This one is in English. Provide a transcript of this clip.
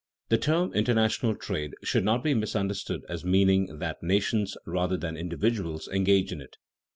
_ The term international trade should not be misunderstood as meaning that nations rather than individuals engage in it.